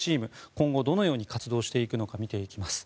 今後、どのように活動していくのか見ていきます。